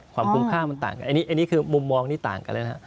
ความคุมค่ามันต่างกันมุมมองนี้ต่างกันเลย